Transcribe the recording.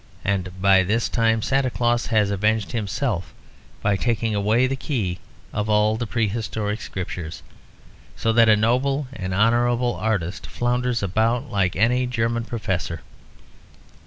And by this time Santa Claus has avenged himself by taking away the key of all the prehistoric scriptures; so that a noble and honourable artist flounders about like any German professor.